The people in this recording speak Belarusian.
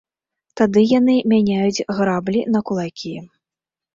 Тады яны мяняюць граблі на кулакі.